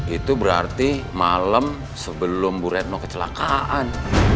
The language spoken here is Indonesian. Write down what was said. itu berarti malam sebelum bu retno kecelakaan